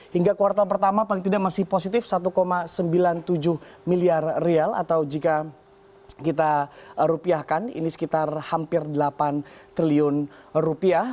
hingga kuartal pertama paling tidak masih positif satu sembilan puluh tujuh miliar rial atau jika kita rupiahkan ini sekitar hampir delapan triliun rupiah